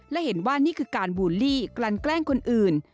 และเห็นว่านี่คือการบูลลี่กลั่นแกล้งคนอื่น